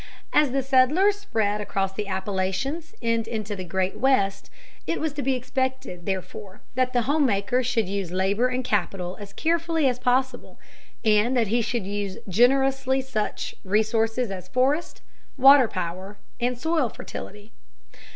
As the settlers spread across the Appalachians and into the great West, it was to be expected, therefore, that the home maker should use labor and capital as carefully as possible and that he should use generously such resources as forests, water power, and soil fertility.